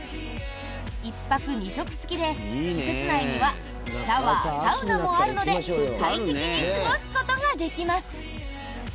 １泊２食付きで施設内にはシャワー、サウナもあるので快適に過ごすことができます。